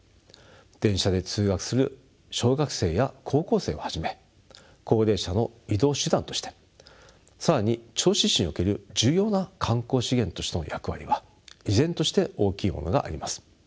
電車で通学する小学生や高校生をはじめ高齢者の移動手段として更に銚子市における重要な観光資源としての役割は依然として大きいものがあります。